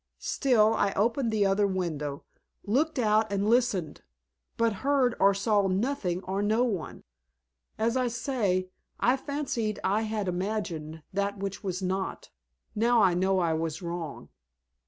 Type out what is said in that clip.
Still, I opened the other window, looked out and listened, but heard or saw nothing or no one. As I say, I fancied I had imagined that which was not. Now I know I was wrong."